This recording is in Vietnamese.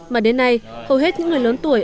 mà đến nay hầu hết những người lớn tuổi